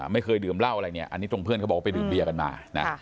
ไม่เคยดื่มเหล้าอะไรเนี่ยอันนี้ตรงเพื่อนเขาบอกว่าไปดื่มเบียกันมานะ